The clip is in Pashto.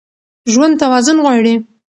ژوند توازن غواړي.